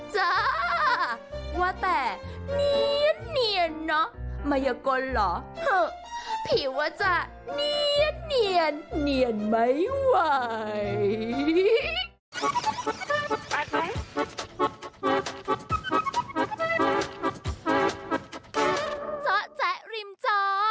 โจ๊ะแจ๊ะริมจอ